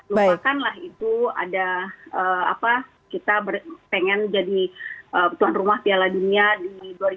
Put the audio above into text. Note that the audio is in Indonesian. lupakanlah itu ada apa kita pengen jadi tuan rumah piala dunia di dua ribu dua puluh